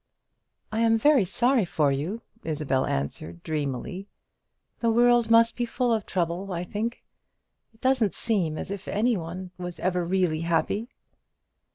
"I am very sorry for you," Isabel answered, dreamily; "the world must be full of trouble, I think. It doesn't seem as if any one was ever really happy."